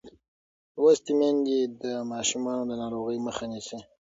لوستې میندې د ماشومانو د ناروغۍ مخه نیسي.